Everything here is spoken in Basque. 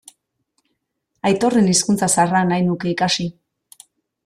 Aitorren hizkuntza zaharra nahi nuke ikasi.